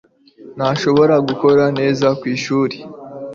Ntashobora gukora neza kwishuri.